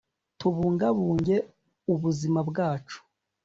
Tubungabunge ubuzima bwacu